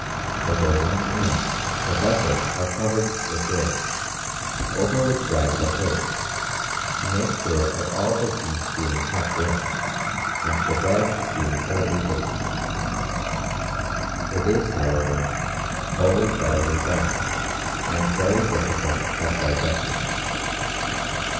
The dough once in, the vessels are covered with lids, over which rags are placed, to make sure of all the heat being kept in and the bread being thoroughly baked. It is, however, always badly done, and very difficult of digestion.